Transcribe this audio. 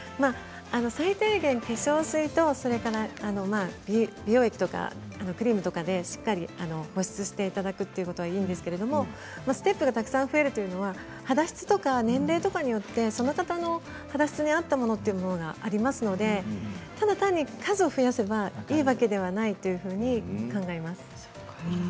最低限、化粧水と美容液とかクリームとかでしっかり保湿していただくことはいいんですけれどステップが増えるというのは肌質とか年齢によってその方に合ったものというのがありますのでただ単に数を増やせばいいわけではないと考えます。